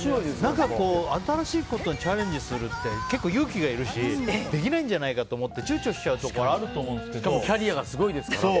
新しいことをチャレンジするって結構勇気がいるしできないんじゃないかと思って躊躇しちゃうところキャリアがすごいですから。